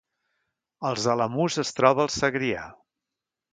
Els Alamús es troba al Segrià